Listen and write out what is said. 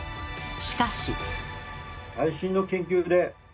しかし。